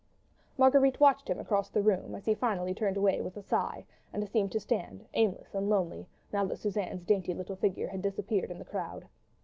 Marguerite watched him across the room, as he finally turned away with a sigh, and seemed to stand, aimless and lonely, now that Suzanne's dainty little figure had disappeared in the crowd.